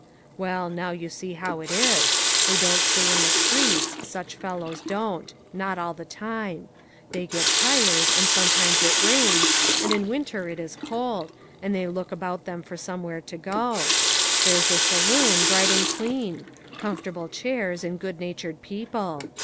" Well, now you see how it is. They don't stay in the streets, such fellows don't. Not all the time. They get tired, and sometimes it rains, and in winter it is cold, and they look about them for somewhere to go. There's a saloon, bright and clean ; comfortable chairs, and good natured people.